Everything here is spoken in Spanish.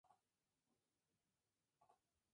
No se basaba en memorizar sino realmente en aprender.